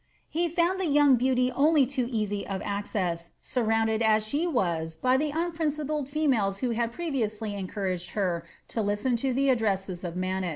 He found the young beauty only too 9Ufy of access, surrounded as she was by the unprincipled females who hid previously encouraged her to listen to the addresses of Manox.